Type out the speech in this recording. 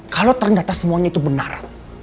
kalau ternyata semuanya itu benar